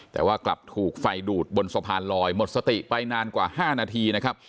แต่ว่ากลับถูกไฟดูดบนสะพานลอยหมดสติไปนานกว่า๕นาทีนะครับ